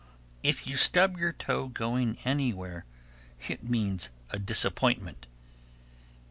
_ 1329. If you stub your toe going anywhere, it means a disappointment.